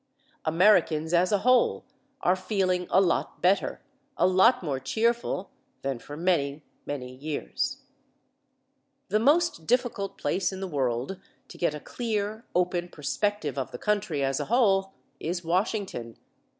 Americans as a whole are feeling a lot better a lot more cheerful than for many, many years. The most difficult place in the world to get a clear open perspective of the country as a whole is Washington.